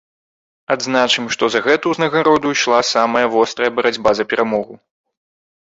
Адзначым, што за гэту ўзнагароду ішла самая вострая барацьба за перамогу.